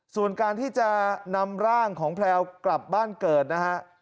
ส่วนการที่จะนำร่างของแพลวกลับบ้านเกิดนะฮะ